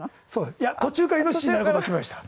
いや途中からイノシシになる事が決まりました。